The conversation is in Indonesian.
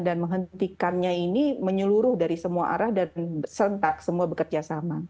dan menghentikannya ini menyeluruh dari semua arah dan sentak semua bekerjasama